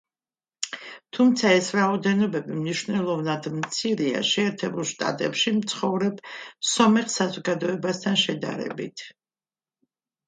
თუმცა ეს რაოდენობები მნიშვნელოვნად მცირეა, შეერთებულ შტატებში მცხოვრებ სომეხ საზოგადოებასთან შედარებით.